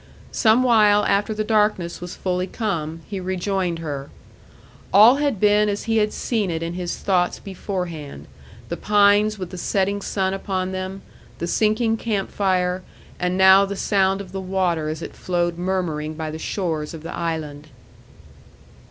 Some while after the darkness was fully come, he rejoined her. All had been as he had seen it in his thoughts beforehand: the pines with the setting sun upon them, the sinking camp fire, and now the sound of the water as it flowed murmuring by the shores of the island.